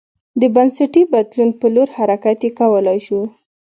د بنسټي بدلون په لور حرکت یې کولای شو